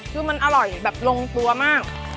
คือมันอร่อยแบบลงตัวมาก